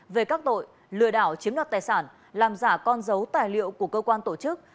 về các tội lừa đảo chiếm đoạt tài sản làm giả con dấu tài liệu của cơ quan tổ chức